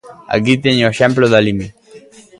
Aquí teño o exemplo da Limia.